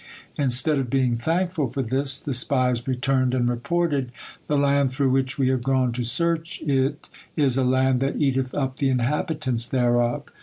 Instead of being thankful for this, the spies returned and reported, 'The land through which we have gone to search it, is a land that eateth up the inhabitants thereof.'